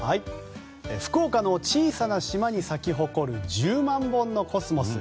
福岡の小さな島に咲き誇る１０万本のコスモス。